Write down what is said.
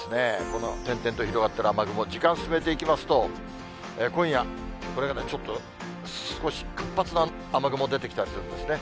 この点々と広がっている雨雲、時間進めていきますと、今夜、これがちょっと、少し活発な雨雲出てきたりするんですね。